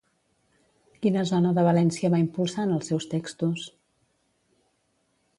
Quina zona de València va impulsar en els seus textos?